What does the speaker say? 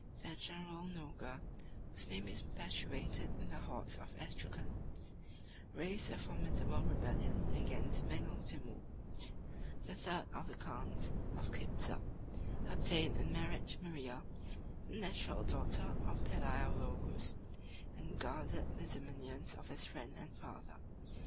Their general Noga, whose name is perpetuated in the hordes of Astracan, raised a formidable rebellion against Mengo Timour, the third of the khans of Kipzak; obtained in marriage Maria, the natural daughter of Palæologus; and guarded the dominions of his friend and father.